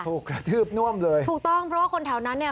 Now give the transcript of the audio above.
กระทืบน่วมเลยถูกต้องเพราะว่าคนแถวนั้นเนี่ย